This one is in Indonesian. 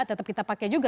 tetap kita pakai juga